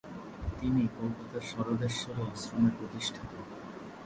তিনি কলকাতার স্বরদেশ্বরী আশ্রমের প্রতিষ্ঠাতা।